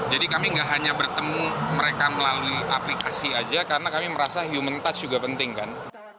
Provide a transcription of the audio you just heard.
jadi kami nggak hanya bertemu mereka melalui aplikasi aja karena kami merasa human touch juga penting kan